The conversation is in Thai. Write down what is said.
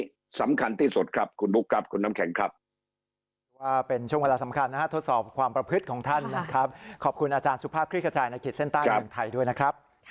อันนี้สำคัญที่สุดครับคุณปุ๊กครับคุณน้ำแข็งครับ